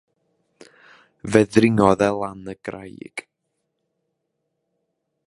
Fe ddringodd e lan y graig.